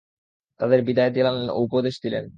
তাদের বিদায় জানালেন ও উপদেশ দিলেন।